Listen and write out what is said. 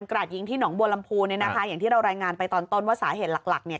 ราดยิงที่หนองบัวลำพูเนี่ยนะคะอย่างที่เรารายงานไปตอนต้นว่าสาเหตุหลักหลักเนี่ย